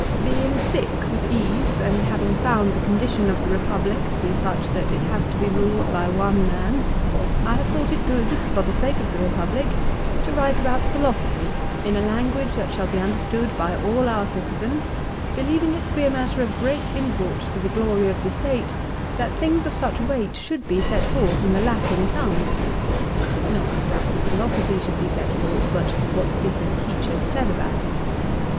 " Being sick with ease, and having found the condition of the Eepublic to be such that it has to be ruled by one man, I have thought it good, for the sake of the Republic, to write about philosophy in a Tus. Disp. lib. i. ca. xxx. CICERO'S PHILOSOPHY. 359 language that shall be understood by all our citizens, be lieving it to be a matter of great import to the glory of the State that things of such weight should be set forth in the Latin tongue ;" l not that the philosophy should be set forth, but what the different teachers said about it.